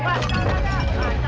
masih ada kecoh